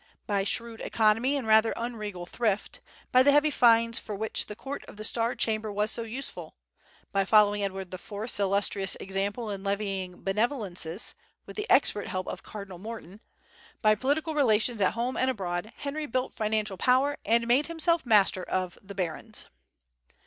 By shrewd economy and rather unregal thrift; by the heavy fines for which the Court of the Star Chamber was so useful; by following Edward IV's illustrious example in levying benevolences, with the expert help of Cardinal Morton; by politic relations at home and abroad, Henry built financial power and made himself master of the barons.